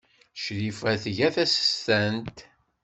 Crifa tga tasestant.